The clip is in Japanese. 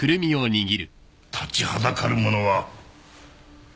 立ちはだかる者は。